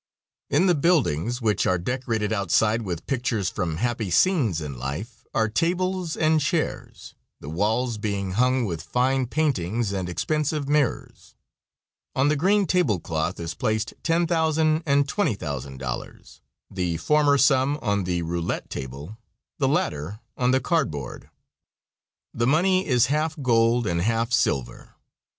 In the buildings, which are decorated outside with pictures from happy scones in life, are tables and chairs, the walls being hung with fine paintings and expensive mirrors. On the green table cloth is placed $10,000 and $20,000 the former sum on the roulette table, the latter on the card board. The money is half gold and half silver.